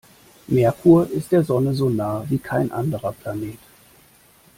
Merkur ist der Sonne so nah wie kein anderer Planet.